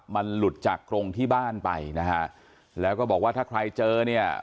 มันหลุดจากกรงที่บ้านไปนะฮะแล้วก็บอกว่าถ้าใครเจอเนี่ย